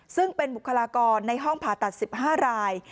ซึ่งเป็นบุคลากรในห้องผ่าตัด๑๕ราย